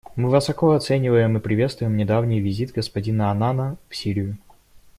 Мы высоко оцениваем и приветствуем недавний визит господина Аннана в Сирию.